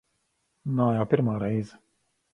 Nav jau pirmā reize.